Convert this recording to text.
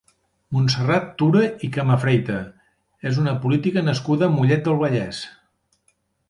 Montserrat Tura i Camafreita és una política nascuda a Mollet del Vallès.